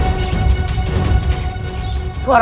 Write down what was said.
bahkan aku tidak bisa menghalangmu